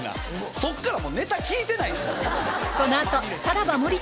そっからもうネタ聞いてないんですよ。